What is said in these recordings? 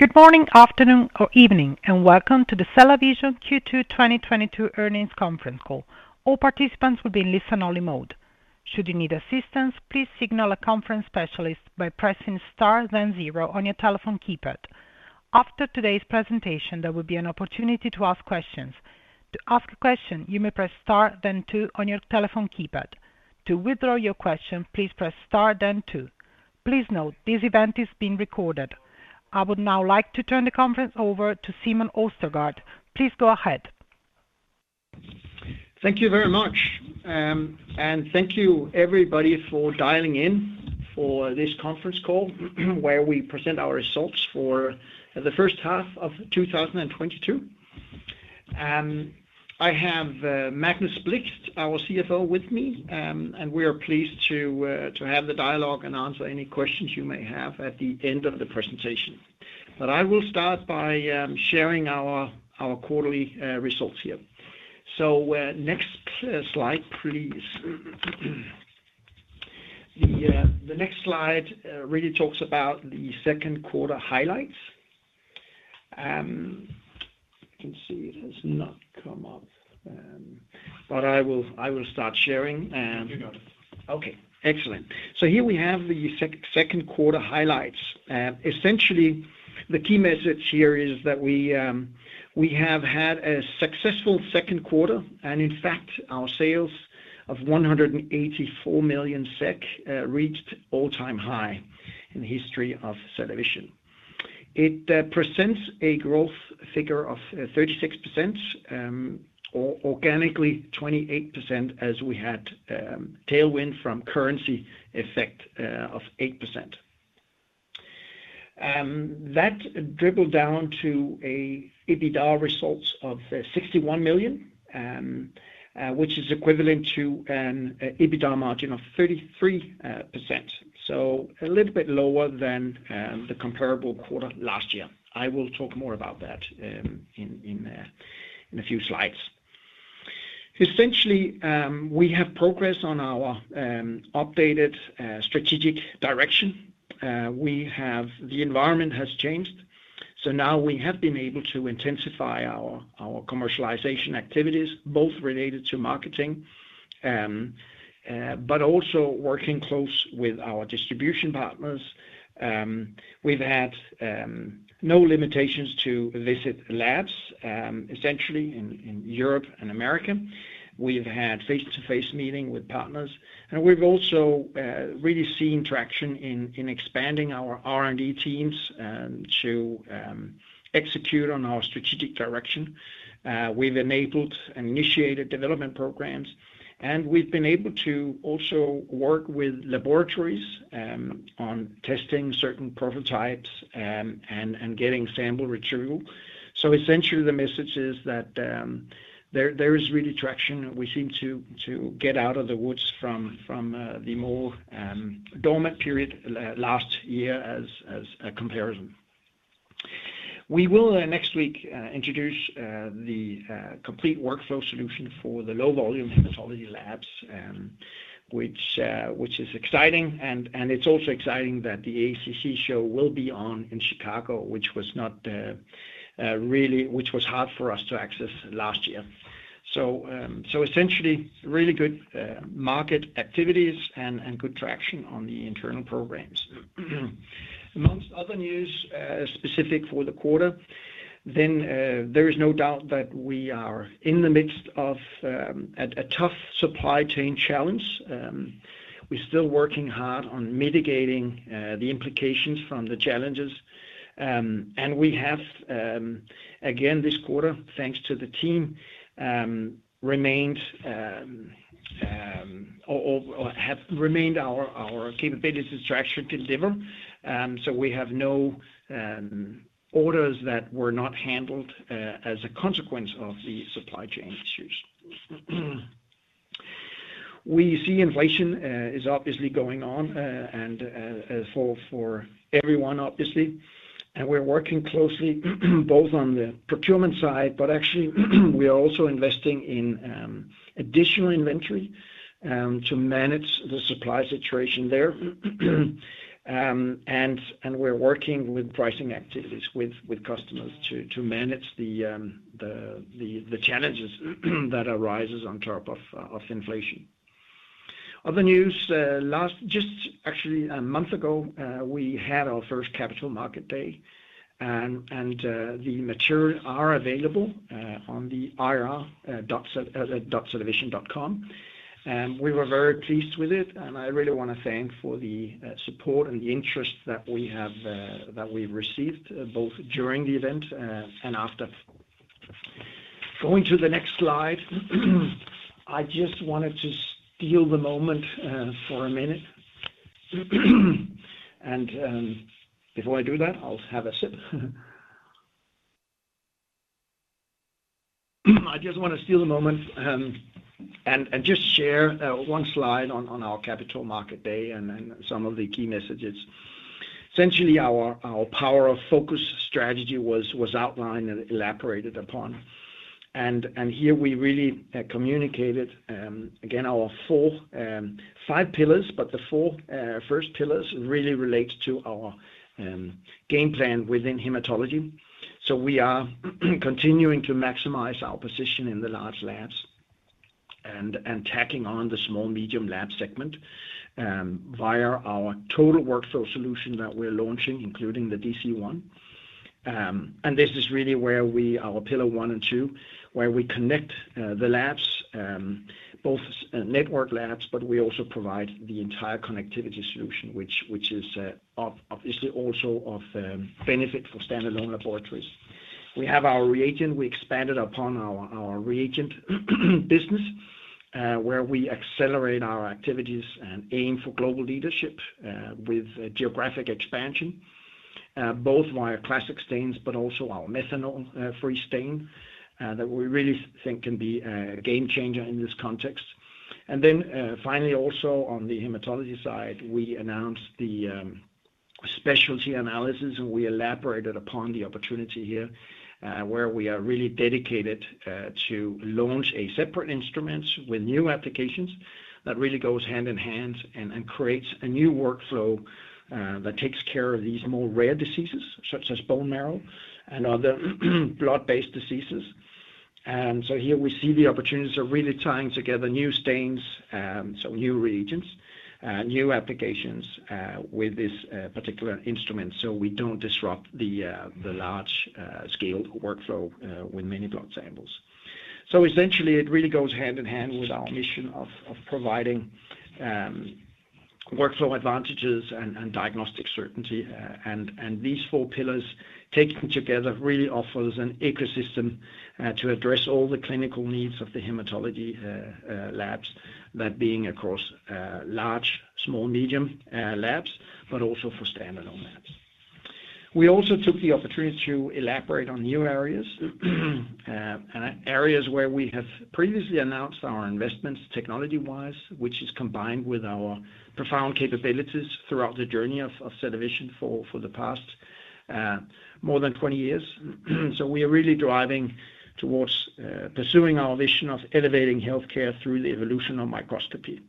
Good morning, afternoon or evening, and welcome to the CellaVision Q2 2022 earnings conference call. All participants will be in listen only mode. Should you need assistance, please signal a conference specialist by pressing star then zero on your telephone keypad. After today's presentation, there will be an opportunity to ask questions. To ask a question, you may press star then two on your telephone keypad. To withdraw your question, please press star then two. Please note, this event is being recorded. I would now like to turn the conference over to Simon Østergaard. Please go ahead. Thank you very much, and thank you everybody for dialing in for this conference call where we present our results for the first half of 2022. I have Magnus Blixt, our CFO, with me, and we are pleased to have the dialogue and answer any questions you may have at the end of the presentation. I will start by sharing our quarterly results here. Next slide, please. The next slide really talks about the second quarter highlights. I can see it has not come up, but I will start sharing and You got it. Okay. Excellent. Here we have the second quarter highlights. Essentially the key message here is that we have had a successful second quarter, and in fact, our sales of 184 million SEK reached all-time high in the history of CellaVision. It presents a growth figure of 36%, or organically 28% as we had tailwind from currency effect of 8%. That dribbled down to a EBITDA result of 61 million, which is equivalent to an EBITDA margin of 33%. A little bit lower than the comparable quarter last year. I will talk more about that in a few slides. Essentially, we have progress on our updated strategic direction. The environment has changed, so now we have been able to intensify our commercialization activities, both related to marketing, but also working close with our distribution partners. We've had no limitations to visit labs, essentially in Europe and America. We've had face-to-face meeting with partners, and we've also really seen traction in expanding our R&D teams to execute on our strategic direction. We've enabled and initiated development programs, and we've been able to also work with laboratories on testing certain prototypes and getting sample retrieval. Essentially the message is that there is really traction. We seem to get out of the woods from the more dormant period last year as a comparison. We will next week introduce the complete workflow solution for the low volume hematology labs, which is exciting. It's also exciting that the AACC show will be on in Chicago, which was hard for us to access last year. Essentially, really good market activities and good traction on the internal programs. Among other news specific for the quarter, there is no doubt that we are in the midst of a tough supply chain challenge. We're still working hard on mitigating the implications from the challenges. We have again this quarter, thanks to the team, remained or have remained our capabilities to actually deliver. We have no orders that were not handled as a consequence of the supply chain issues. We see inflation is obviously going on and for everyone obviously, and we're working closely both on the procurement side, but actually we are also investing in additional inventory to manage the supply situation there. We're working with pricing activities with customers to manage the challenges that arises on top of inflation. Other news, actually a month ago, we had our first Capital Markets Day and the material are available on the ir.CellaVision.com. We were very pleased with it, and I really want to thank for the support and the interest that we have that we've received both during the event and after. Going to the next slide. I just wanted to steal the moment for a minute. Before I do that, I'll have a sip. I just want to steal the moment and just share one slide on our Capital Markets Day and then some of the key messages. Essentially, our power of focus strategy was outlined and elaborated upon. Here we really communicated again our four five pillars, but the four first pillars really relate to our game plan within hematology. We are continuing to maximize our position in the large labs and tacking on the small-medium lab segment via our total workflow solution that we're launching, including the DC-1. This is really where our pillar one and two, where we connect the labs both network labs, but we also provide the entire connectivity solution, which is obviously also of benefit for standalone laboratories. We have our reagent. We expanded upon our reagent business where we accelerate our activities and aim for global leadership with geographic expansion both via classic stains but also our methanol-free stain that we really think can be a game changer in this context. Finally, also on the hematology side, we announced the specialty analysis, and we elaborated upon the opportunity here, where we are really dedicated to launch a separate instrument with new applications that really goes hand-in-hand and creates a new workflow that takes care of these more rare diseases, such as bone marrow and other blood-based diseases. Here we see the opportunities of really tying together new stains, so new reagents, new applications, with this particular instrument, so we don't disrupt the large scale workflow with many blood samples. Essentially, it really goes hand-in-hand with our mission of providing workflow advantages and diagnostic certainty. These four pillars taken together really offers an ecosystem to address all the clinical needs of the hematology labs, that being across large, small, medium labs, but also for standalone labs. We also took the opportunity to elaborate on new areas where we have previously announced our investments technology-wise, which is combined with our profound capabilities throughout the journey of CellaVision for the past more than 20 years. We are really driving towards pursuing our vision of elevating healthcare through the evolution of microscopy.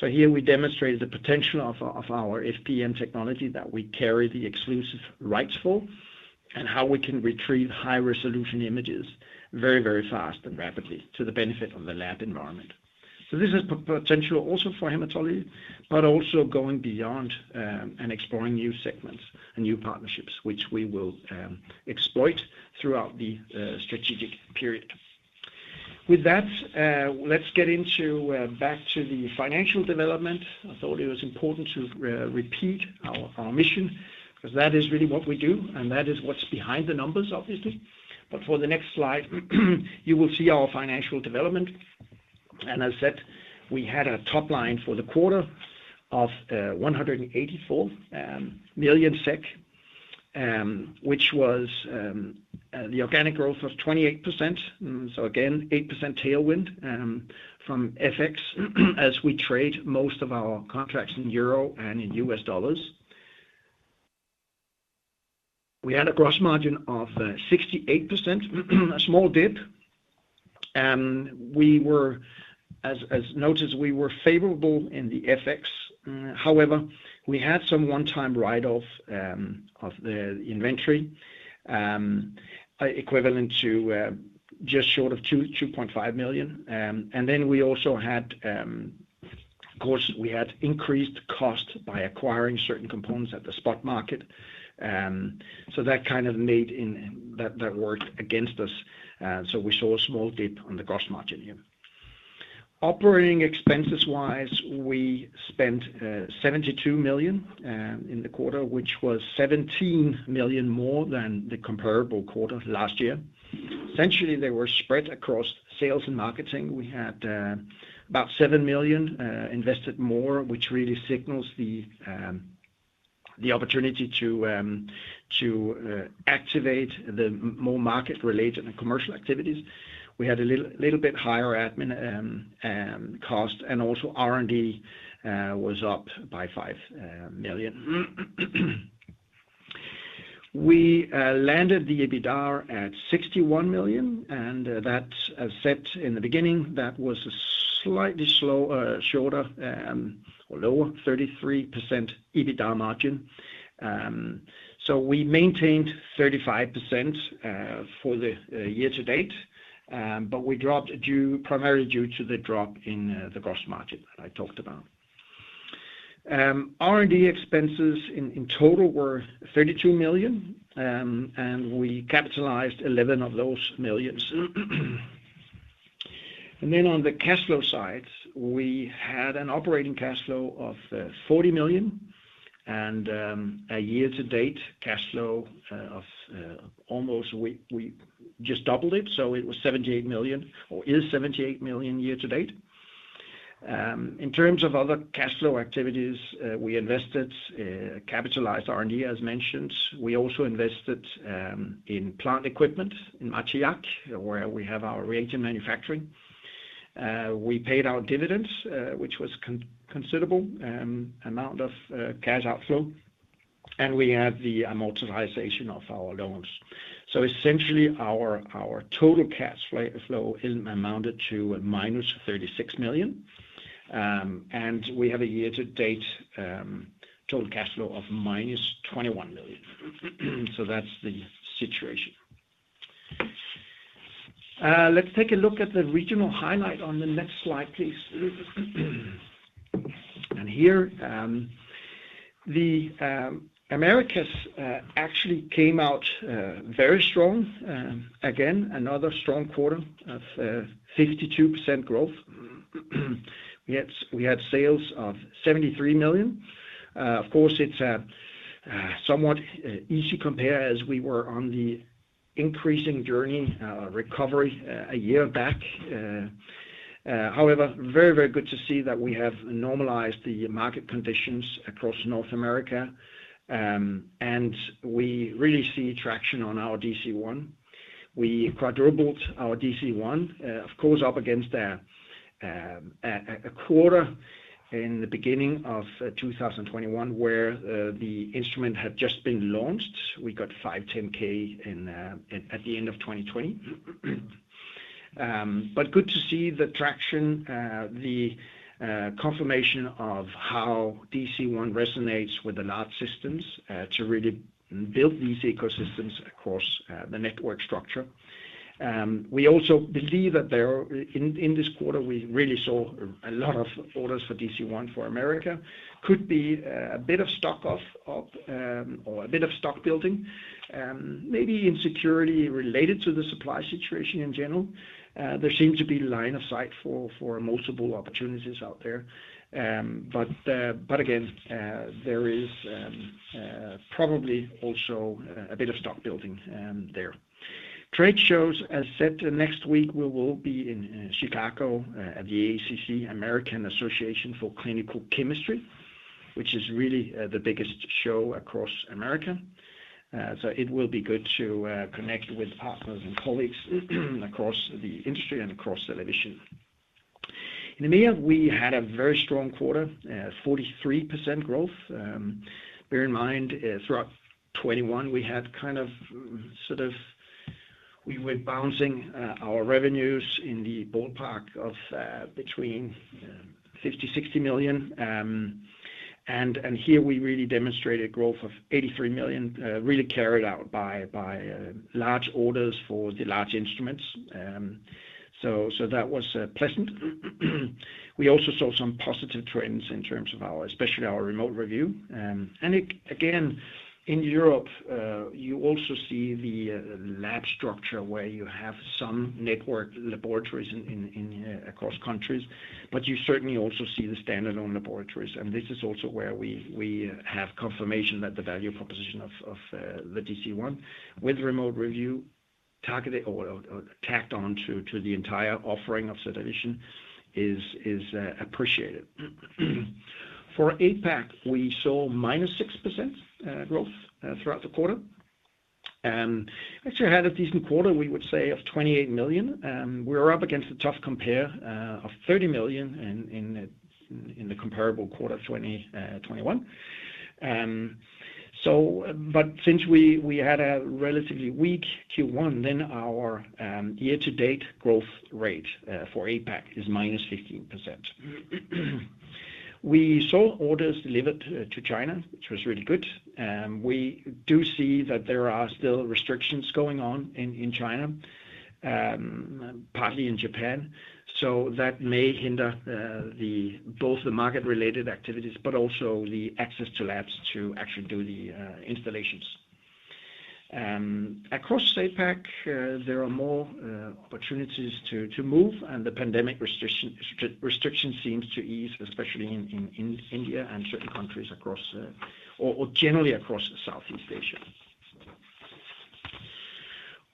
Here we demonstrated the potential of our FPM technology that we carry the exclusive rights for and how we can retrieve high-resolution images very, very fast and rapidly to the benefit of the lab environment. This is potential also for hematology, but also going beyond, and exploring new segments and new partnerships, which we will exploit throughout the strategic period. With that, let's get back to the financial development. I thought it was important to repeat our mission because that is really what we do, and that is what's behind the numbers, obviously. For the next slide, you will see our financial development. As said, we had a top line for the quarter of 184 million SEK, which was the organic growth of 28%. Again, 8% tailwind from FX as we trade most of our contracts in euro and in U.S. dollars. We had a gross margin of 68%, a small dip. As noted, we were favorable in the FX. However, we had some one-time write off of the inventory equivalent to just short of 2.5 million. Then we also had, of course, increased cost by acquiring certain components at the spot market. That worked against us. We saw a small dip on the gross margin here. Operating expenses-wise, we spent 72 million in the quarter, which was 17 million more than the comparable quarter last year. Essentially, they were spread across sales and marketing. We had about 7 million invested more, which really signals the opportunity to activate the more market-related and commercial activities. We had a little bit higher admin cost, and also R&D was up by 5 million. We landed the EBITDA at 61 million, and that's as said in the beginning, that was a slightly lower 33% EBITDA margin. We maintained 35% for the year to date, but we dropped primarily due to the drop in the gross margin that I talked about. R&D expenses in total were 32 million, and we capitalized 11 of those millions. Then on the cash flow side, we had an operating cash flow of 40 million and a year-to-date cash flow of, we just doubled it. It was 78 million year to date. In terms of other cash flow activities, we invested, capitalized R&D as mentioned. We also invested in plant equipment in Martillac, where we have our reagent manufacturing. We paid our dividends, which was considerable amount of cash outflow. We have the amortization of our loans. So essentially our total cash flow is amounted to -36 million. We have a year-to-date total cash flow of -21 million. So that's the situation. Let's take a look at the regional highlight on the next slide, please. Here, the Americas actually came out very strong. Again, another strong quarter of 52% growth. We had sales of 73 million. Of course, it's a somewhat easy compare as we were on the increasing journey, recovery a year back. However, very good to see that we have normalized the market conditions across North America. We really see traction on our DC-1. We quadrupled our DC-1, of course, up against a quarter in the beginning of 2021, where the instrument had just been launched. We got 510(k) in at the end of 2020. Good to see the traction, the confirmation of how DC-1 resonates with the large systems to really build these ecosystems across the network structure. We also believe that in this quarter, we really saw a lot of orders for DC-1 for America. Could be a bit of stock building, maybe insecurity related to the supply situation in general. There seems to be line of sight for multiple opportunities out there. Again, there is probably also a bit of stock building there. Trade shows, as said, next week, we will be in Chicago at the AACC, American Association for Clinical Chemistry, which is really the biggest show across America. So it will be good to connect with partners and colleagues across the industry and across the division. In EMEA, we had a very strong quarter, 43% growth. Bear in mind, throughout 2021, we had kind of, sort of our revenues bouncing in the ballpark of between 50 million- 60 million. Here we really demonstrated growth of 83 million, really carried out by large orders for the large instruments. That was pleasant. We also saw some positive trends in terms of our, especially our remote review. Again, in Europe, you also see the lab structure where you have some network laboratories in across countries, but you certainly also see the standalone laboratories. This is also where we have confirmation that the value proposition of the DC-1 with remote review targeted or tacked on to the entire offering of the division is appreciated. For APAC, we saw -6% growth throughout the quarter. Actually had a decent quarter, we would say, of 28 million. We were up against a tough compare of 30 million in the comparable quarter 2021. Since we had a relatively weak Q1, then our year-to-date growth rate for APAC is -15%. We saw orders delivered to China, which was really good. We do see that there are still restrictions going on in China, partly in Japan. That may hinder both the market-related activities, and also the access to labs to actually do the installations. Across APAC, there are more opportunities to move, and the pandemic restriction seems to ease, especially in India and certain countries across, or generally across Southeast Asia.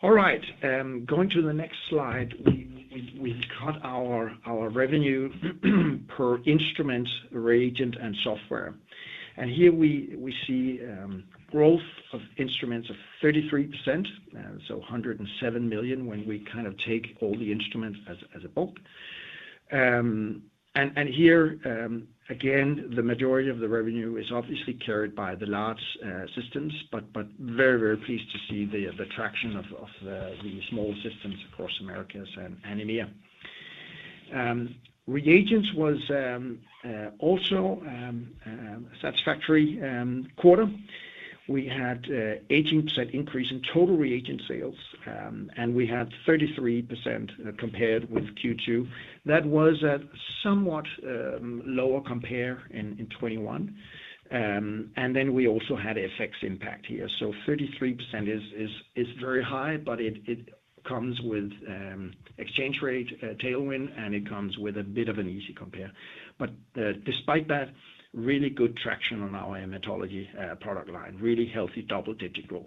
All right. Going to the next slide, we've got our revenue per instrument, reagent, and software. Here we see growth of instruments of 33%, so 107 million when we kind of take all the instruments as a bulk. Here again, the majority of the revenue is obviously carried by the large systems, but very pleased to see the traction of the small systems across Americas and EMEA. Reagents was also satisfactory quarter. We had an 18% increase in total reagent sales, and we had 33% compared with Q2. That was a somewhat lower compare in 2021. Then we also had FX impact here. 33% is very high, but it comes with exchange rate tailwind, and it comes with a bit of an easy compare. Despite that, really good traction on our hematology product line. Really healthy double-digit growth.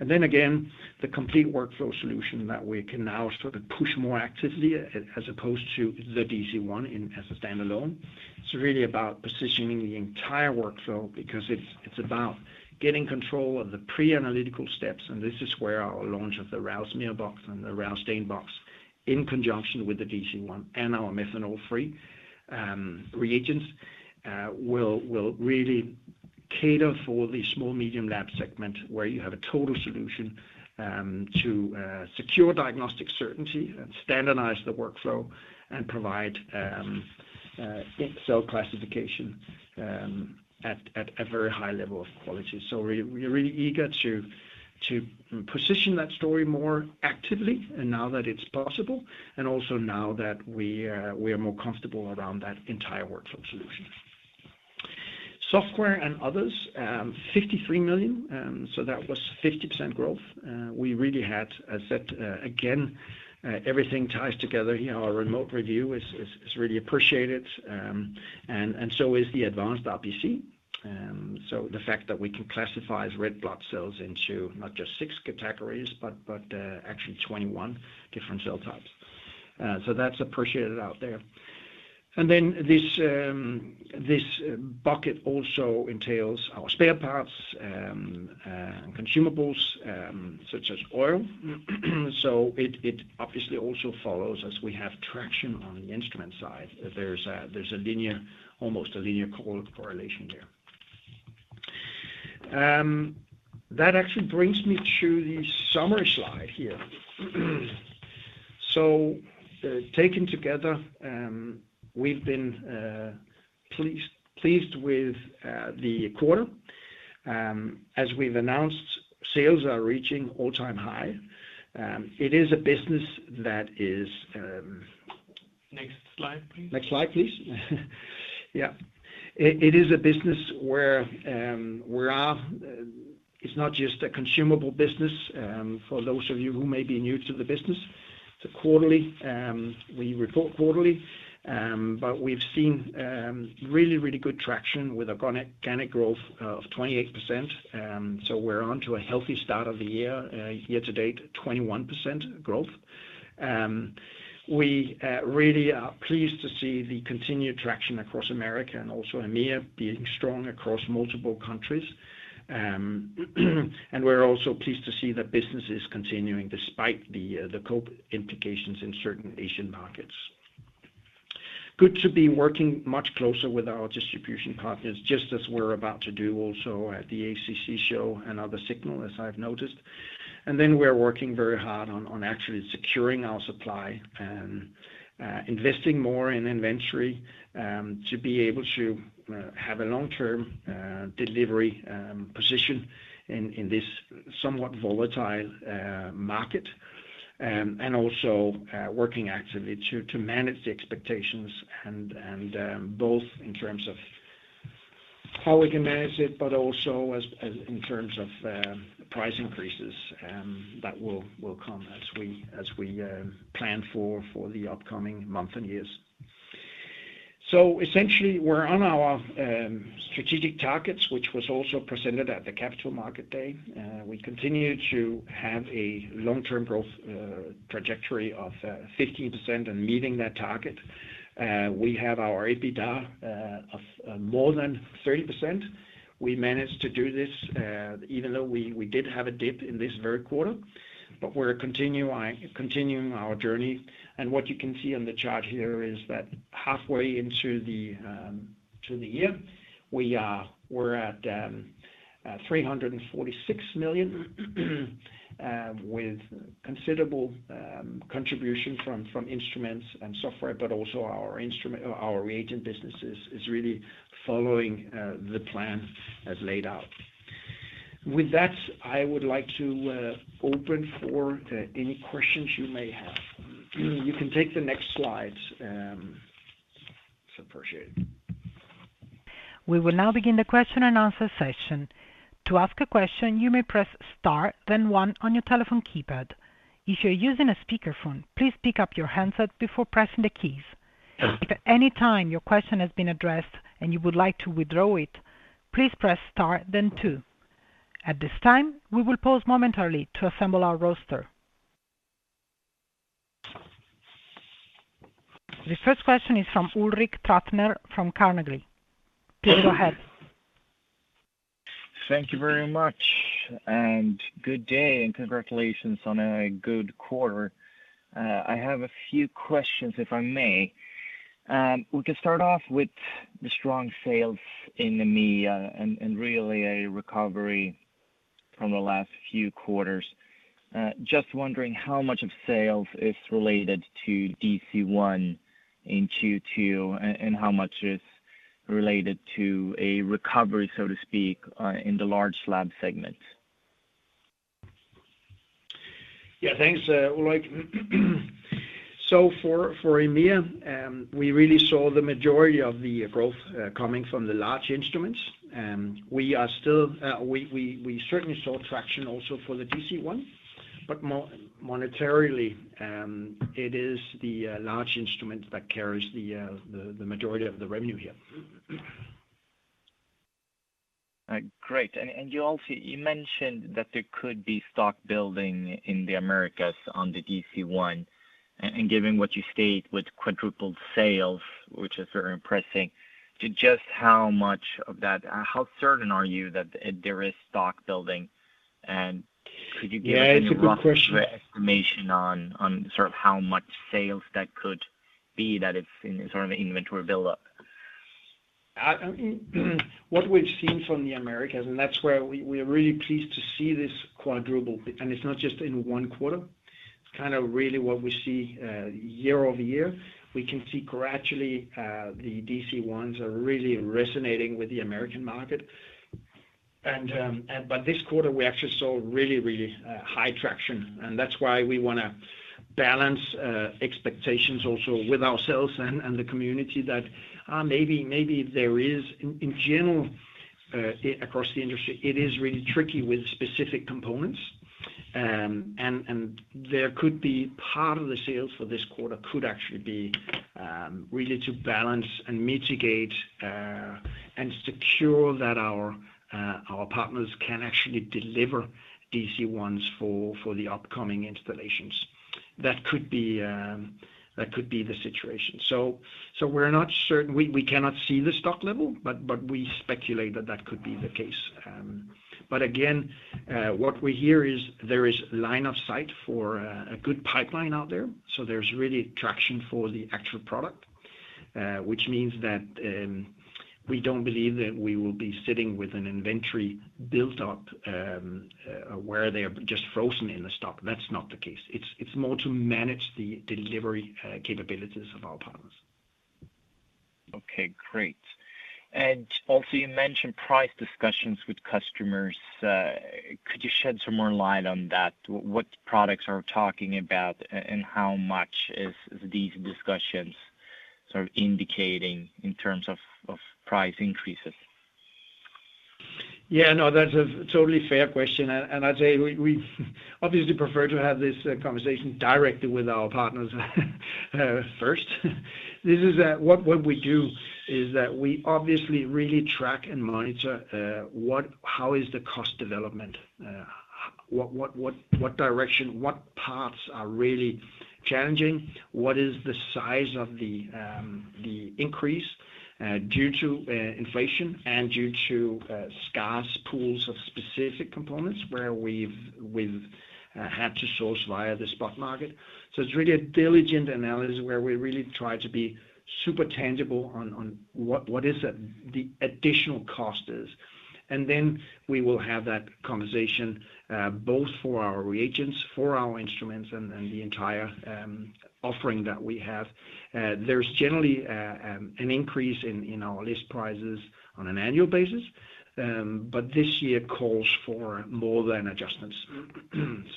Then again, the complete workflow solution that we can now sort of push more actively as opposed to the DC-1 as a standalone. It's really about positioning the entire workflow because it's about getting control of the pre-analytical steps, and this is where our launch of the RAL SmearBox and the RAL StainBox in conjunction with the DC-1 and our methanol-free reagents will really cater for the small medium lab segment where you have a total solution to secure diagnostic certainty and standardize the workflow and provide cell classification at a very high level of quality. We're really eager to position that story more actively and now that it's possible and also now that we are more comfortable around that entire workflow solution. Software and others, 53 million, so that was 50% growth. We really had a setback again. Everything ties together. You know, our remote review is really appreciated, and so is the advanced RBC. The fact that we can classify red blood cells into not just six categories, but actually 21 different cell types. That's appreciated out there. This bucket also entails our spare parts, consumables, such as oil. It obviously also follows as we have traction on the instrument side. There's a linear, almost a linear correlation there. That actually brings me to the summary slide here. Taken together, we've been pleased with the quarter. As we've announced, sales are reaching all-time high. It is a business that is Next slide, please. Next slide, please. Yeah. It is a business. It's not just a consumable business for those of you who may be new to the business. We report quarterly, but we've seen really good traction with organic growth of 28%. We're on to a healthy start of the year to date, 21% growth. We really are pleased to see the continued traction across America and also EMEA being strong across multiple countries. We're also pleased to see that business is continuing despite the COVID implications in certain Asian markets. Good to be working much closer with our distribution partners, just as we're about to do also at the AACC show and other similar, as I've noticed. Then we're working very hard on actually securing our supply and investing more in inventory to be able to have a long-term delivery position in this somewhat volatile market. Also working actively to manage the expectations and both in terms of how we can manage it, but also as in terms of price increases that will come as we plan for the upcoming month and years. Essentially we're on our strategic targets, which was also presented at the Capital Markets Day. We continue to have a long-term growth trajectory of 15% and meeting that target. We have our EBITDA of more than 30%. We managed to do this, even though we did have a dip in this very quarter, but we're continuing our journey. What you can see on the chart here is that halfway into the year, we're at 346 million, with considerable contribution from instruments and software, but also our instrument or our reagent businesses is really following the plan as laid out. With that, I would like to open for any questions you may have. You can take the next slides. It's appreciated. We will now begin the question and answer session. To ask a question, you may press star, then one on your telephone keypad. If you're using a speakerphone, please pick up your handset before pressing the keys. If at any time your question has been addressed and you would like to withdraw it, please press star then two. At this time, we will pause momentarily to assemble our roster. The first question is from Ulrik Trattner from Carnegie. Please go ahead. Thank you very much, and good day and congratulations on a good quarter. I have a few questions, if I may. We can start off with the strong sales in EMEA and really a recovery from the last few quarters. Just wondering how much of sales is related to DC-1 in Q2 and how much is related to a recovery, so to speak, in the large lab segment? Yeah, thanks, Ulrik. For EMEA, we really saw the majority of the growth coming from the large instruments. We certainly saw traction also for the DC-1, but monetarily, it is the large instruments that carries the majority of the revenue here. Great. You also mentioned that there could be stock building in the Americas on the DC-1. Given what you state with quadrupled sales, which is very impressive, to just how much of that. How certain are you that there is stock building. Could you give us any rough estimate on sort of how much sales that could be that it's in sort of inventory build-up. What we've seen from the Americas, that's where we're really pleased to see this quadruple. It's not just in one quarter, it's kind of really what we see year-over-year. We can see gradually the DC-1s are really resonating with the American market. But this quarter we actually saw really high traction. That's why we wanna balance expectations also with ourselves and the community that maybe there is in general across the industry, it is really tricky with specific components. There could be part of the sales for this quarter could actually be really to balance and mitigate and secure that our partners can actually deliver DC-1s for the upcoming installations. That could be the situation. We're not certain. We cannot see the stock level, but we speculate that could be the case. Again, what we hear is there is line of sight for a good pipeline out there, so there's really traction for the actual product. Which means that we don't believe that we will be sitting with an inventory built up, where they are just frozen in the stock. That's not the case. It's more to manage the delivery capabilities of our partners. Okay, great. Also you mentioned price discussions with customers. Could you shed some more light on that? What products are talking about and how much is these discussions sort of indicating in terms of price increases? Yeah, no, that's a totally fair question. I'd say we obviously prefer to have this conversation directly with our partners first. This is what we do is that we obviously really track and monitor how the cost development, what direction, what parts are really challenging? What is the size of the increase due to inflation and due to scarce pools of specific components where we've had to source via the spot market. It's really a diligent analysis where we really try to be super tangible on what the additional cost is. We will have that conversation both for our reagents, for our instruments and the entire offering that we have. There's generally an increase in our list prices on an annual basis, but this year calls for more than adjustments.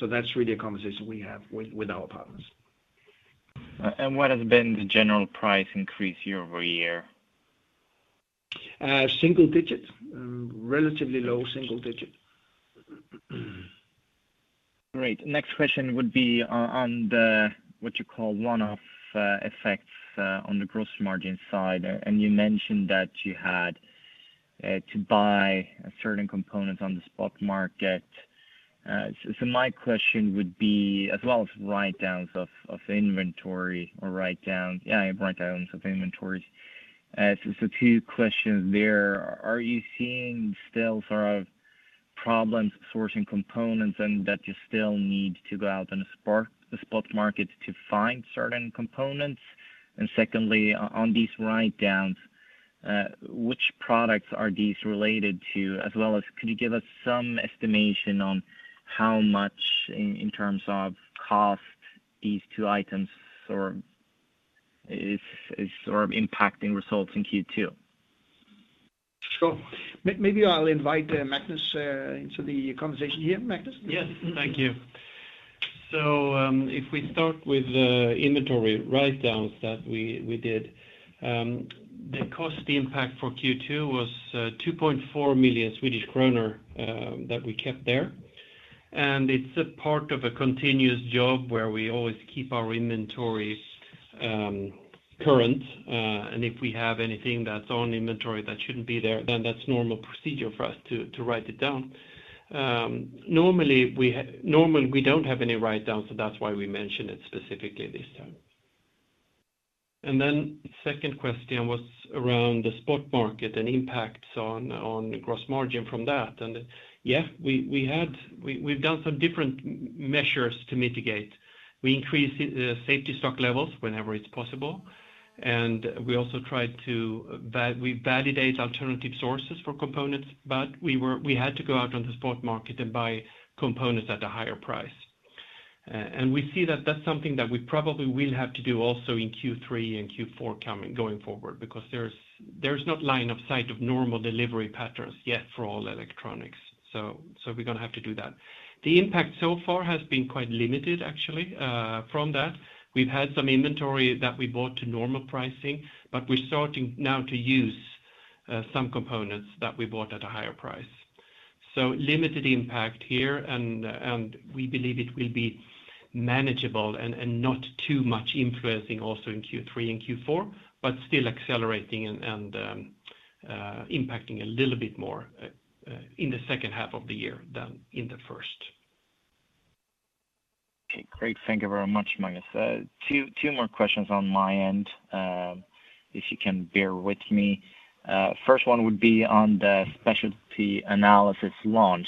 That's really a conversation we have with our partners. What has been the general price increase year over year? Single digits. Relatively low single digit. Great. Next question would be on the, what you call one-off, effects, on the gross margin side. You mentioned that you had to buy certain components on the spot market. So my question would be as well as write-downs of inventory or write-downs of inventories. So two questions there. Are you still seeing sort of problems sourcing components and that you still need to go out in the spot market to find certain components? Secondly, on these write-downs, which products are these related to, as well as could you give us some estimation on how much in terms of cost these two items is sort of impacting results in Q2? Sure. Maybe I'll invite Magnus into the conversation here. Magnus? Yes. Thank you. If we start with the inventory write-downs that we did, the cost impact for Q2 was 2.4 million Swedish kronor that we kept there. It's a part of a continuous job where we always keep our inventory current. If we have anything that's on inventory that shouldn't be there, then that's normal procedure for us to write it down. Normally we don't have any write-downs, so that's why we mention it specifically this time. Then second question was around the spot market and impacts on gross margin from that. Yeah, we've done some different measures to mitigate. We increased the safety stock levels whenever it's possible, and we also tried to validate alternative sources for components, but we had to go out on the spot market and buy components at a higher price. We see that that's something that we probably will have to do also in Q3 and Q4 going forward because there's not line of sight of normal delivery patterns yet for all electronics. We're gonna have to do that. The impact so far has been quite limited actually from that. We've had some inventory that we bought at normal pricing, but we're starting now to use some components that we bought at a higher price. Limited impact here and we believe it will be manageable and not too much influencing also in Q3 and Q4, but still accelerating and impacting a little bit more in the second half of the year than in the first. Okay, great. Thank you very much, Magnus. Two more questions on my end, if you can bear with me. First one would be on the specialty analysis launch,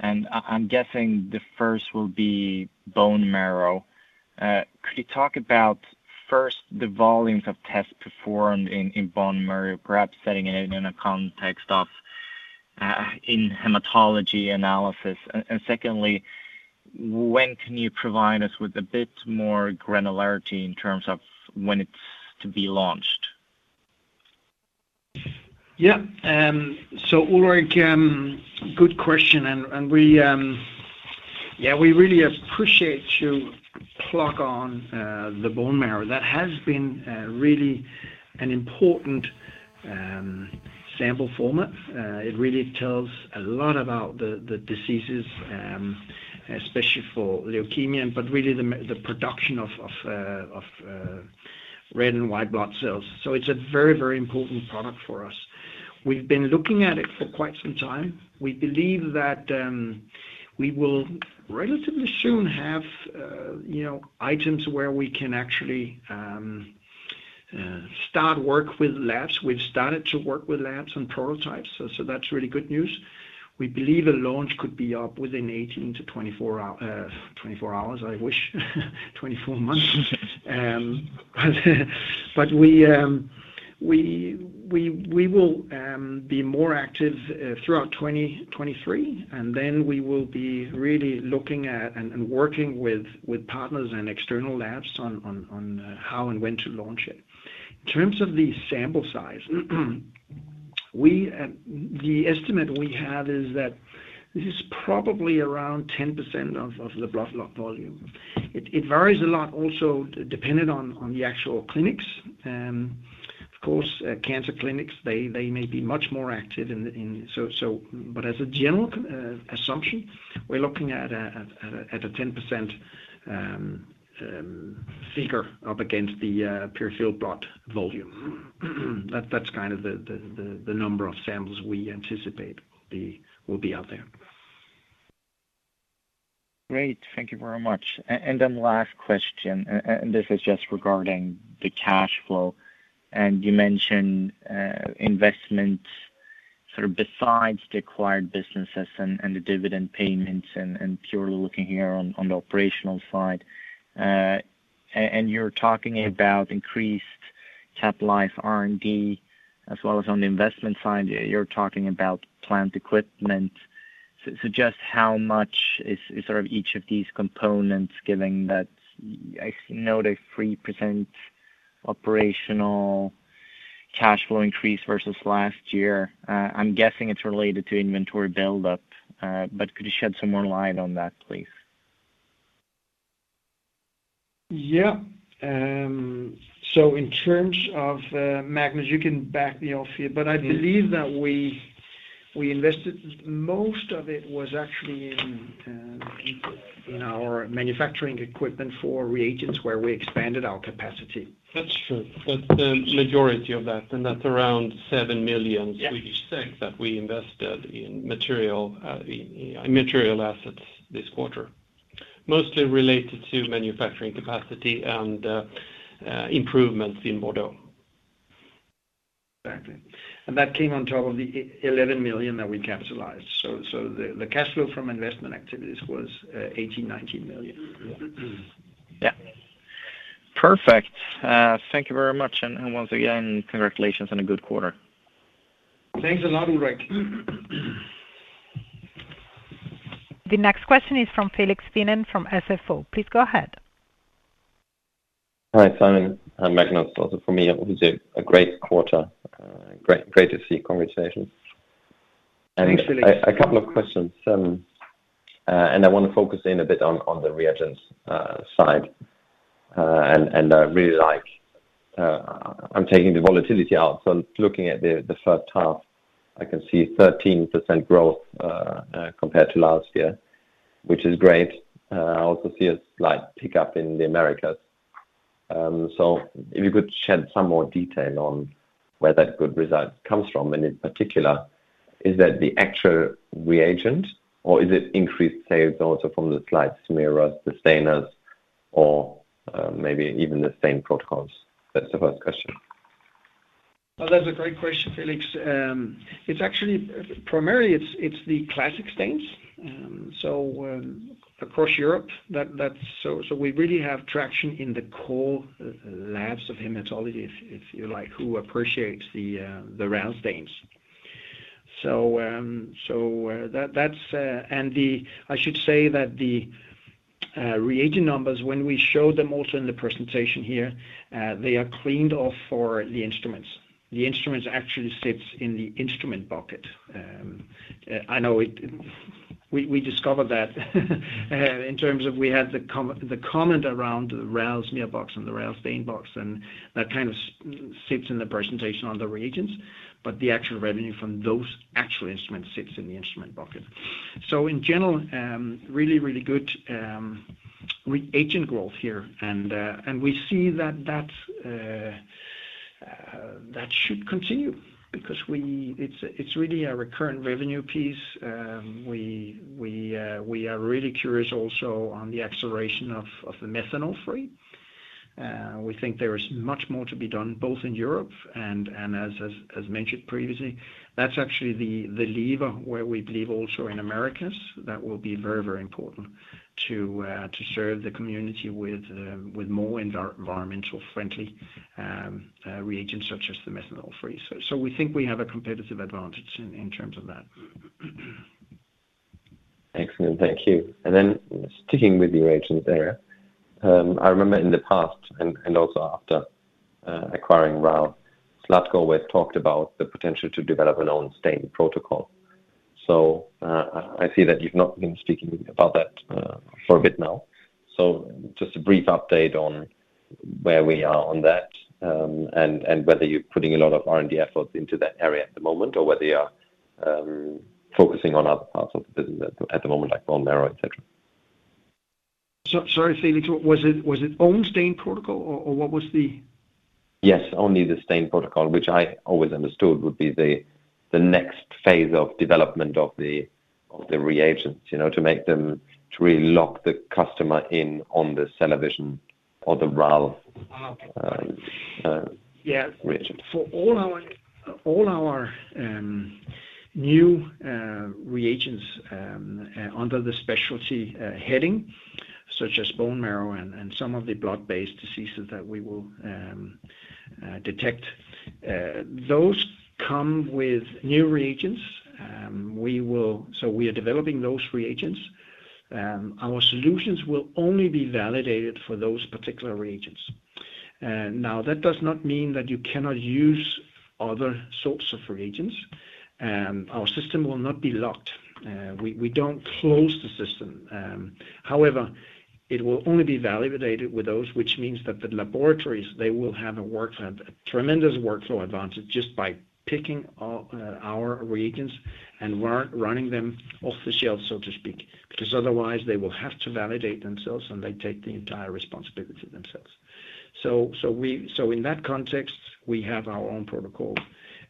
and I'm guessing the first will be bone marrow. Could you talk about, first, the volumes of tests performed in bone marrow, perhaps setting it in a context of in hematology analysis. And secondly, when can you provide us with a bit more granularity in terms of when it's to be launched? Yeah. So Ulrik, good question. We really appreciate you picking up on the bone marrow. That has been really an important sample format. It really tells a lot about the diseases, especially for leukemia, but really the production of red and white blood cells. It's a very important product for us. We've been looking at it for quite some time. We believe that we will relatively soon have you know items where we can actually start work with labs. We've started to work with labs on prototypes, so that's really good news. We believe a launch could be up within 18-24 hours, I wish. 24 months. We will be more active throughout 2023, and then we will be really looking at and working with partners and external labs on how and when to launch it. In terms of the sample size, the estimate we have is that this is probably around 10% of the blood volume. It varies a lot also dependent on the actual clinics. Of course, cancer clinics may be much more active. As a general assumption, we're looking at a 10% figure up against the peripheral blood volume. That's kind of the number of samples we anticipate will be out there. Great. Thank you very much. Then last question, this is just regarding the cash flow. You mentioned investment sort of besides the acquired businesses and the dividend payments and purely looking here on the operational side. You're talking about increased capitalized R&D as well as on the investment side, you're talking about plant equipment. Just how much is sort of each of these components given that I know the 3% operational cash flow increase versus last year. I'm guessing it's related to inventory buildup, but could you shed some more light on that, please? Yeah. In terms of, Magnus, you can back me up here, but I believe that we invested most of it was actually in our manufacturing equipment for reagents, where we expanded our capacity. That's true. That's the majority of that, and that's around 7 million that we invested in material assets this quarter, mostly related to manufacturing capacity and improvements in Bordeaux. Exactly. That came on top of the 11 million that we capitalized. The cash flow from investment activities was 18 million- 19 million. Yeah. Yeah. Perfect. Thank you very much. Once again, congratulations on a good quarter. Thanks a lot, Ulrik. The next question is from Felix [Wienen] from [SFO]. Please go ahead. Hi, Simon and Magnus. Also for me, obviously a great quarter. Great to see. Congratulations. Thanks, Felix. A couple of questions. I wanna focus in a bit on the reagents side. I really like I'm taking the volatility out. Looking at the third tile, I can see 13% growth compared to last year, which is great. I also see a slight pickup in the Americas. If you could shed some more light on where that good result comes from. In particular, is that the actual reagent or is it increased sales also from the slide smears, the stainers or maybe even the sample protocols? That's the first question. Oh, that's a great question, Felix. It's actually primarily the classic stains. Across Europe, we really have traction in the core labs of hematology if you like who appreciates the RAL stains. I should say that the reagent numbers when we show them also in the presentation here, they are cleaned off for the instruments. The instruments actually sits in the instrument bucket. I know it. We discovered that in terms of we had the comment around the RAL SmearBox and the RAL StainBox, and that kind of sits in the presentation on the reagents, but the actual revenue from those actual instruments sits in the instrument bucket. In general, really good reagent growth here. We see that that should continue because it's really a recurrent revenue piece. We are really curious also on the acceleration of the methanol-free. We think there is much more to be done both in Europe and as mentioned previously, that's actually the lever where we believe also in Americas that will be very important to serve the community with more environmental friendly reagents such as the methanol-free. We think we have a competitive advantage in terms of that. Excellent. Thank you. Then sticking with the reagents area, I remember in the past and also after acquiring RAL, Zlatko always talked about the potential to develop an own stain protocol. I see that you've not been speaking about that for a bit now. Just a brief update on where we are on that, and whether you're putting a lot of R&D efforts into that area at the moment or whether you are focusing on other parts of the business at the moment, like bone marrow, et cetera. Sorry, Felix, was it own stain protocol or what was the... Yes, only the stain protocol, which I always understood would be the next phase of development of the reagents, you know, to make them, to really lock the customer in on the CellaVision or the RAL. Ah. Reagent. Yeah. For all our new reagents under the specialty heading, such as bone marrow and some of the blood-based diseases that we will detect, those come with new reagents. We are developing those reagents. Our solutions will only be validated for those particular reagents. Now that does not mean that you cannot use other sorts of reagents. Our system will not be locked. We don't close the system. However, it will only be validated with those which means that the laboratories, they will have a tremendous workflow advantage just by picking our reagents and running them off the shelf, so to speak, because otherwise they will have to validate themselves, and they take the entire responsibility themselves. In that context, we have our own protocol.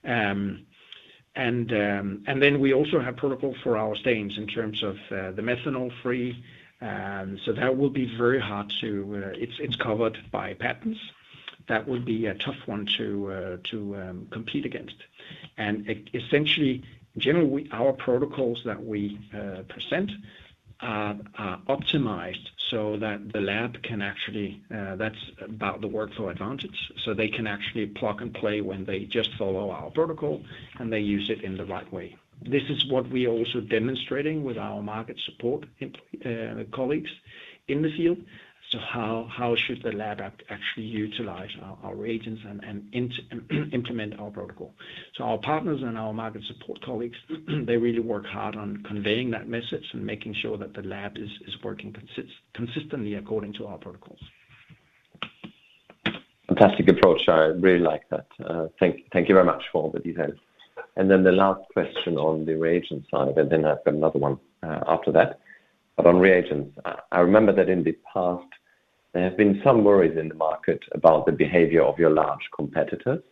We also have protocol for our stains in terms of the methanol-free. That will be very hard. It's covered by patents. That would be a tough one to compete against. Essentially, generally, our protocols that we present are optimized so that the lab can actually. That's about the workflow advantage. They can actually plug and play when they just follow our protocol, and they use it in the right way. This is what we are also demonstrating with our market support colleagues in the field. How should the lab actually utilize our reagents and implement our protocol? Our partners and our market support colleagues, they really work hard on conveying that message and making sure that the lab is working consistently according to our protocols. Fantastic approach. I really like that. Thank you very much for all the details. Then the last question on the reagent side, and then I've got another one after that. On reagents, I remember that in the past there have been some worries in the market about the behavior of your large competitors,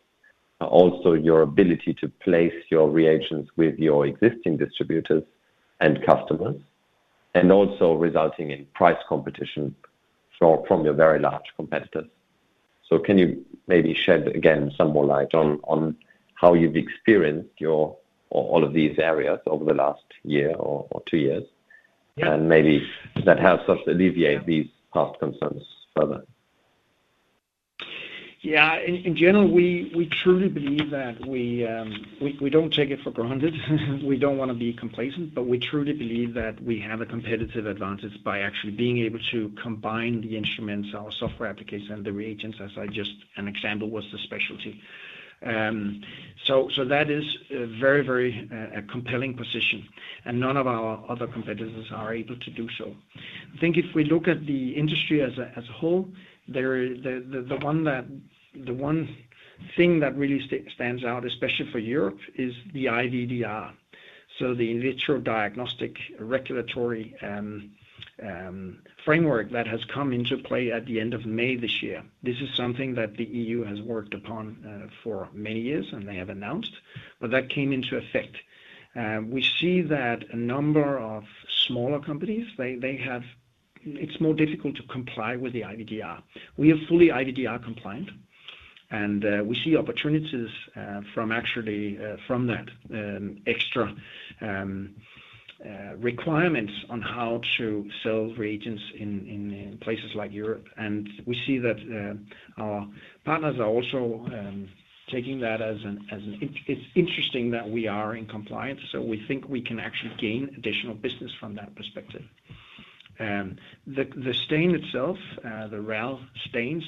but also your ability to place your reagents with your existing distributors and customers, and also resulting in price competition from your very large competitors. Can you maybe shed again some more light on how you've experienced all of these areas over the last year or two years? Yeah. Maybe that has sort of alleviated these past concerns further. In general, we truly believe that we don't take it for granted. We don't wanna be complacent, but we truly believe that we have a competitive advantage by actually being able to combine the instruments, our software applications and the reagents, as an example was the specialty. That is a very compelling position, and none of our other competitors are able to do so. I think if we look at the industry as a whole, there is the one thing that really stands out, especially for Europe, is the IVDR. The In Vitro Diagnostic Regulatory framework that has come into play at the end of May this year. This is something that the EU has worked upon for many years, and they have announced, but that came into effect. We see that a number of smaller companies, it's more difficult to comply with the IVDR. We are fully IVDR compliant, and we see opportunities from actually from that extra requirements on how to sell reagents in places like Europe. We see that our partners are also taking that. It's interesting that we are in compliance, so we think we can actually gain additional business from that perspective. The stain itself, the RAL stains,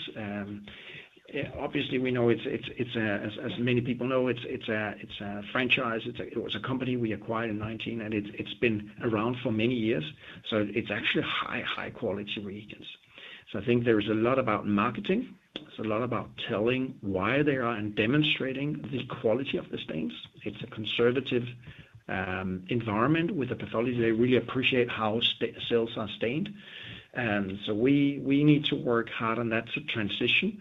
obviously we know, as many people know, it's a franchise. It was a company we acquired in 2019, and it's been around for many years, so it's actually high quality reagents. I think there is a lot about marketing. There's a lot about telling why they are and demonstrating the quality of the stains. It's a conservative environment with the pathology. They really appreciate how the cells are stained. We need to work hard on that transition.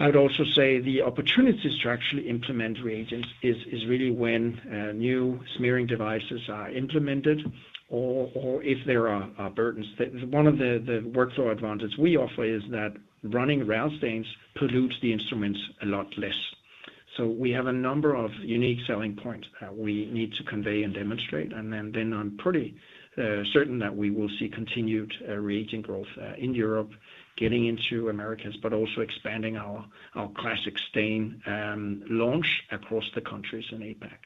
I would also say the opportunities to actually implement reagents is really when new smearing devices are implemented or if there are upgrades. One of the workflow advantage we offer is that running RAL stains pollutes the instruments a lot less. We have a number of unique selling points that we need to convey and demonstrate. I'm pretty certain that we will see continued reagent growth in Europe, getting into Americas, but also expanding our classic stain launch across the countries in APAC.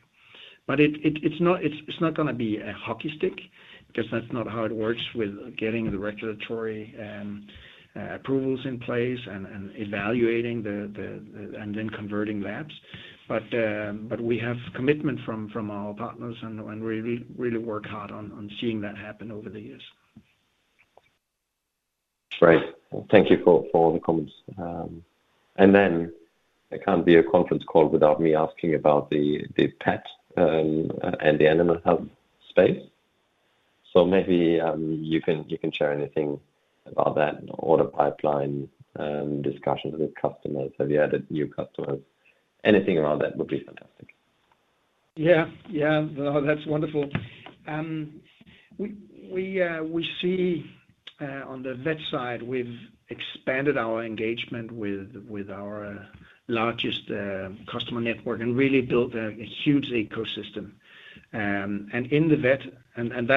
It's not gonna be a hockey stick 'cause that's not how it works with getting the regulatory approvals in place and then converting labs. We have commitment from our partners and we really work hard on seeing that happen over the years. Great. Thank you for all the comments. It can't be a conference call without me asking about the pet and the animal health space. Maybe you can share anything about that, order pipeline, discussions with customers. Have you added new customers? Anything around that would be fantastic. Yeah. Yeah. No, that's wonderful. We see on the vet side, we've expanded our engagement with our largest customer network and really built a huge ecosystem. That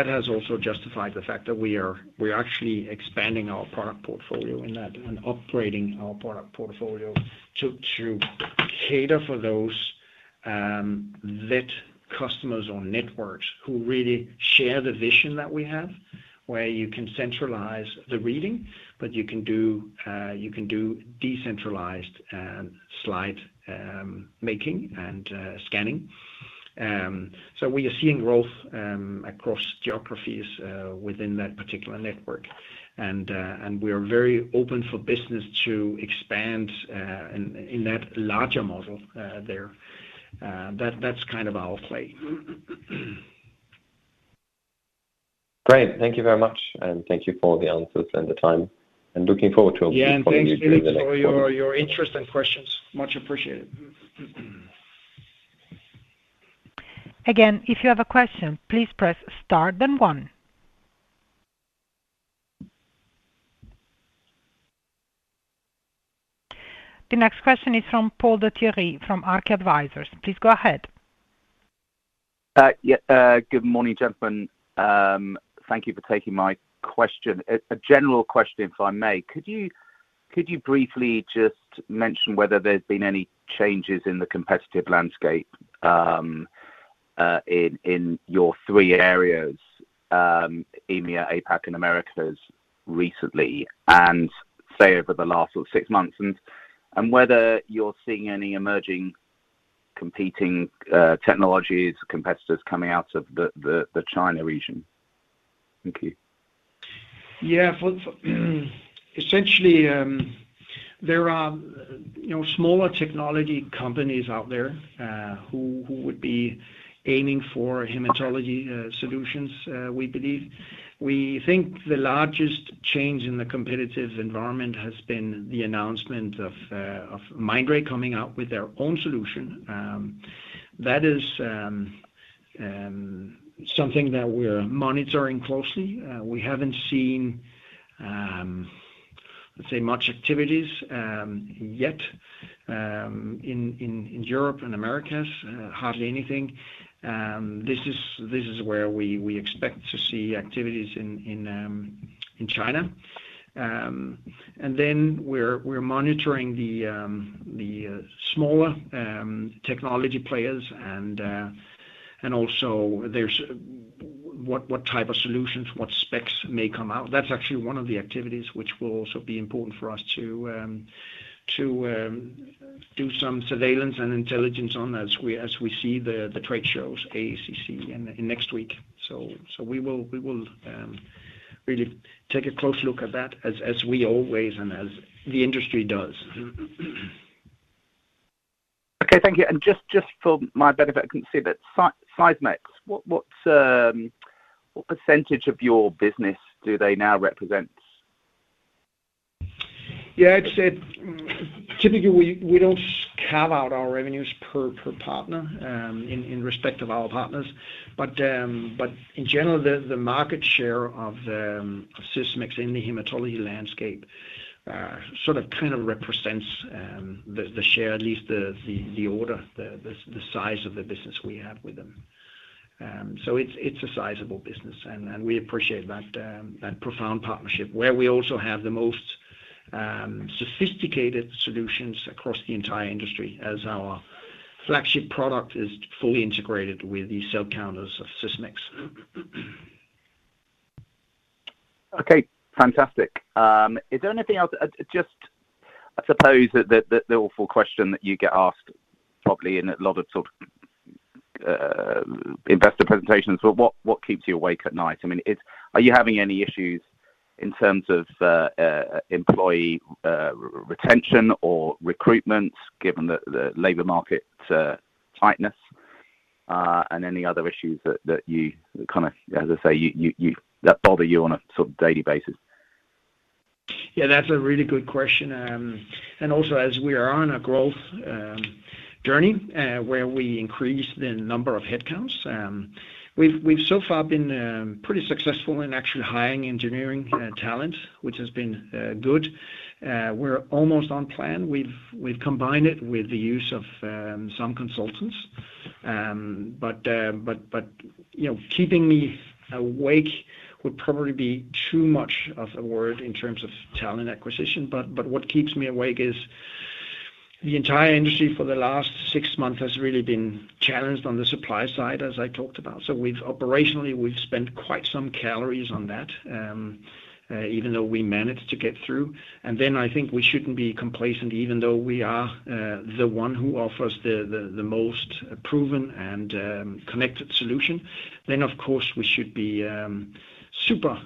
has also justified the fact that we're actually expanding our product portfolio in that and upgrading our product portfolio to cater for those vet customers or networks who really share the vision that we have, where you can centralize the reading, but you can do decentralized slide making and scanning. We are seeing growth across geographies within that particular network. We are very open for business to expand in that larger model there. That's kind of our play. Great. Thank you very much, and thank you for the answers and the time. Looking forward to. Yeah. Thanks, Felix. Following you during the next quarter. For your interest and questions. Much appreciated. Again, if you have a question, please press star then one. The next question is from Paul de Thierry from Arke Advisers. Please go ahead. Good morning, gentlemen. Thank you for taking my question. A general question, if I may. Could you briefly just mention whether there's been any changes in the competitive landscape in your three areas, EMEA, APAC and Americas recently, and say, over the last sort of six months? Whether you're seeing any emerging competing technologies, competitors coming out of the China region. Thank you. Essentially, there are, you know, smaller technology companies out there who would be aiming for hematology solutions, we believe. We think the largest change in the competitive environment has been the announcement of Mindray coming out with their own solution. That is something that we're monitoring closely. We haven't seen, let's say, much activities yet in Europe and Americas, hardly anything. This is where we expect to see activities in China. Then we're monitoring the smaller technology players and also there's what type of solutions, what specs may come out. That's actually one of the activities which will also be important for us to do some surveillance and intelligence on as we see the trade shows, AACC next week. We will really take a close look at that as we always and as the industry does. Okay. Thank you. Just for my benefit, I can see that Sysmex, what percentage of your business do they now represent? Yeah. It's Typically, we don't carve out our revenues per partner in respect of our partners. In general, the market share of Sysmex in the hematology landscape sort of kind of represents the share, at least the order, the size of the business we have with them. So it's a sizable business, and we appreciate that profound partnership, where we also have the most sophisticated solutions across the entire industry as our flagship product is fully integrated with the cell counters of Sysmex. Okay. Fantastic. Is there anything else? Just I suppose the awful question that you get asked probably in a lot of sort of investor presentations, but what keeps you awake at night? I mean, it's. Are you having any issues in terms of employee retention or recruitment given the labor market tightness? Any other issues that you kind of, as I say, that bother you on a sort of daily basis? Yeah, that's a really good question. Also as we are on a growth journey, where we increase the number of headcounts, we've so far been pretty successful in actually hiring engineering talent, which has been good. We're almost on plan. We've combined it with the use of some consultants. You know, keeping me awake would probably be too much of a word in terms of talent acquisition, but what keeps me awake is the entire industry for the last six months has really been challenged on the supply side, as I talked about. Operationally, we've spent quite some calories on that, even though we managed to get through. I think we shouldn't be complacent, even though we are the one who offers the most proven and connected solution. Of course we should be super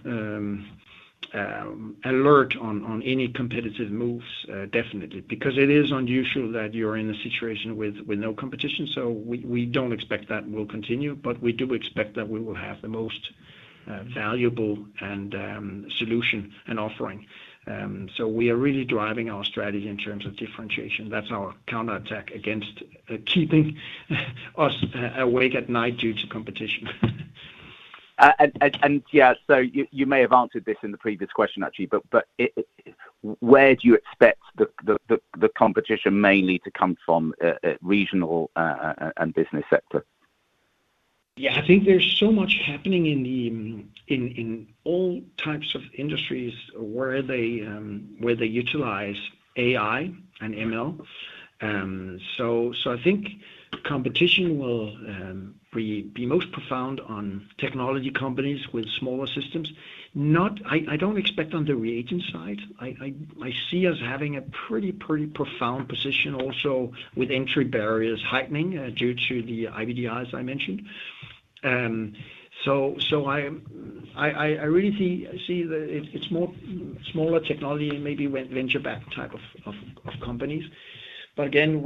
alert on any competitive moves, definitely. Because it is unusual that you're in a situation with no competition, so we don't expect that will continue. We do expect that we will have the most valuable and solution and offering. We are really driving our strategy in terms of differentiation. That's our counterattack against keeping us awake at night due to competition. Yeah, you may have answered this in the previous question actually, where do you expect the competition mainly to come from, regional and business sector? Yeah. I think there's so much happening in all types of industries where they utilize AI and ML. I think competition will be most profound on technology companies with smaller systems. I don't expect on the reagent side. I see us having a pretty profound position also with entry barriers heightening due to the IVDR, as I mentioned. I really see it's more smaller technology and maybe venture backed type of companies. Again,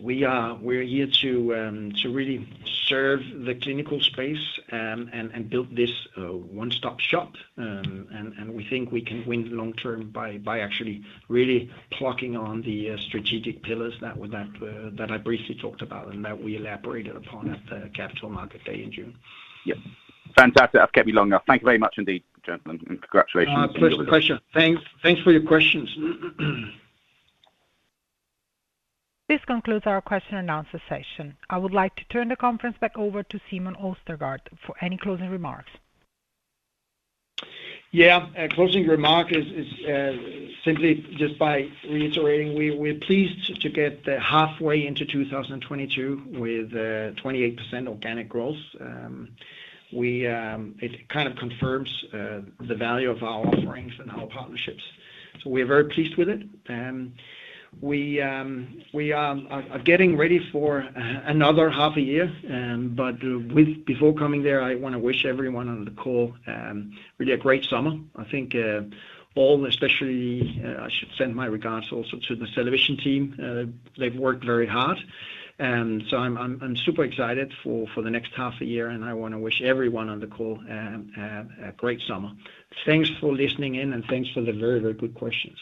we're here to really serve the clinical space and build this one-stop shop. We think we can win the long-term by actually really leaning on the strategic pillars that I briefly talked about and that we elaborated upon at the Capital Markets Day in June. Yep. Fantastic. I've kept you long enough. Thank you very much indeed, gentlemen, and congratulations on your results. Pleasure. Thanks for your questions. This concludes our question and answer session. I would like to turn the conference back over to Simon Østergaard for any closing remarks. Yeah. A closing remark is simply just by reiterating, we're pleased to get halfway into 2022 with 28% organic growth. It kind of confirms the value of our offerings and our partnerships, so we're very pleased with it. We are getting ready for another half a year. Before coming there, I wanna wish everyone on the call really a great summer. I think all, especially, I should send my regards also to the CellaVision team. They've worked very hard. I'm super excited for the next half a year, and I wanna wish everyone on the call a great summer. Thanks for listening in, and thanks for the very good questions.